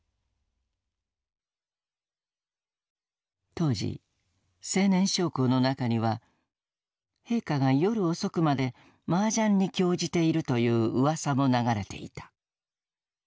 当時青年将校の中には「陛下が夜遅くまでマージャンに興じている」といううわさも流れていた。